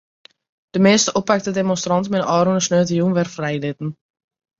De measte oppakte demonstranten binne ôfrûne saterdeitejûn wer frijlitten.